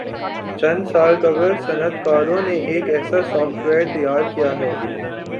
چند سال قبل صنعتکاروں نے ایک ایسا سافٹ ویئر تیار کیا ہے